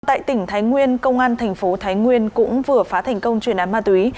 tại tỉnh thái nguyên công an thành phố thái nguyên cũng vừa phá thành công truyền án ma túy